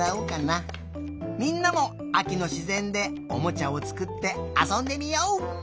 みんなもあきのしぜんでおもちゃをつくってあそんでみよう！